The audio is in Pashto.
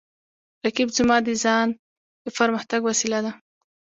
رقیب زما د ځان د پرمختګ وسیله ده